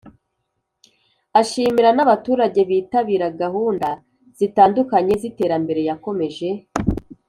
ashimira n abaturage bitabira gahunda zitandukanye z iterambere Yakomeje